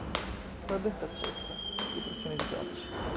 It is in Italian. Claudette accetta, su pressione di Dutch.